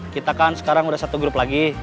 kita kan sekarang udah satu grup lagi